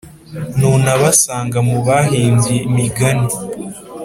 ntunabasanga mu bahimbye imigani.